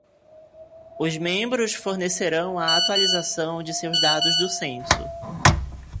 Os membros fornecerão a atualização de seus dados do censo.